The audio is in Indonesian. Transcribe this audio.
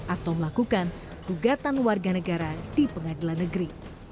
atau melakukan gugatan warga negara di pengadilan negeri